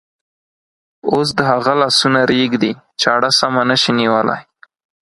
اوس د هغه لاسونه رېږدي، چاړه سمه نشي نیولی.